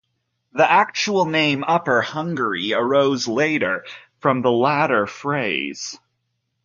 The actual name "Upper Hungary" arose later from the latter phrase.